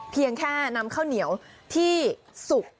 เพียงแค่นำข้าวเหนียวที่สุก